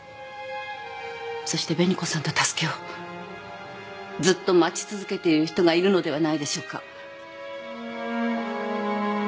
そして紅子さんの助けをずっと待ち続けている人がいるのではないでしょうか。